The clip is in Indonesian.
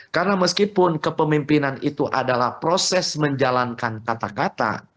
karena meskipun kepemimpinan itu adalah proses menjalankan kata kata